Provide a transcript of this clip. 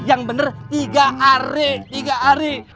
yang benar tiga hari tiga hari